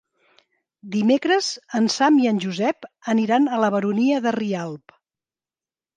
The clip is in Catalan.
Dimecres en Sam i en Josep aniran a la Baronia de Rialb.